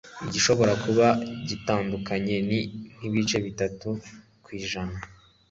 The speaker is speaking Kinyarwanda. igishobora kuba kidutandukanya, ni nk'ibice bitatu kw'ijana